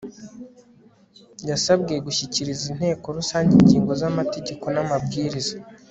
yasabwe gushyikiriza inteko rusange ingingo z'amategeko n'amabwiriza